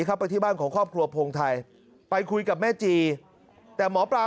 ไปที่บ้านของครอบครัวพงไทยไปคุยกับแม่จีแต่หมอปลา